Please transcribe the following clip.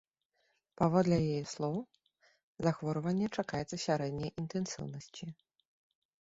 Паводле яе слоў, захворванне чакаецца сярэдняй інтэнсіўнасці.